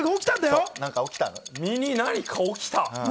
身に何か起きた？